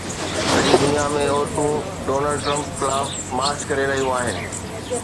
سڄي دنيا ۾ عورتون ڊونلڊ ٽرمپ خلاف مارچ ڪري رهيون آهن